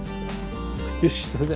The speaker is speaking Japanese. よしそれで。